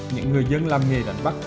những người dân làm nghề đánh bắt